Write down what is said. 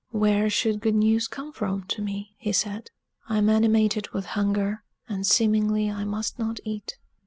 "Where should good news come from to me?" he said. "I'm animated with hunger; and seemingly I must not eat."